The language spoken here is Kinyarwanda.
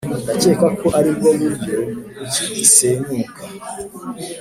ndakeka ko aribwo buryo kuki isenyuka.